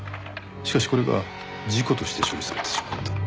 しかしこれが事故として処理されてしまった。